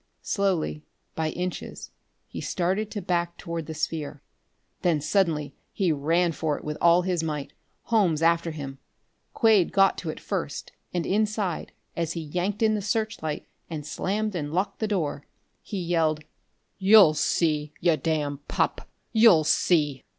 Slowly, by inches, he started to back toward the sphere; then suddenly he ran for it with all his might, Holmes after him. Quade got to it first, and inside, as he yanked in the searchlight and slammed and locked the door, he yelled: "You'll see, you damned pup! You'll see!"